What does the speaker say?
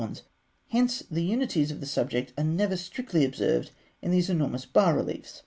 Palestrina mosaic.] Hence the unities of the subject are never strictly observed in these enormous bas reliefs.